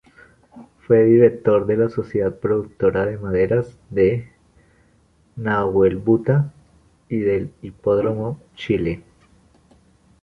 Fue director de la Sociedad Productora de Maderas de Nahuelbuta y del Hipódromo Chile.